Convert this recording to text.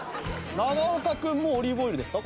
永岡君もオリーブオイルですか？